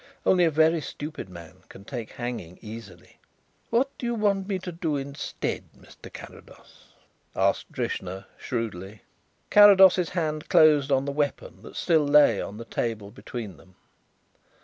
Only a very stupid man can take hanging easily." "What do you want me to do instead, Mr. Carrados?" asked Drishna shrewdly. Carrados's hand closed on the weapon that still lay on the table between them.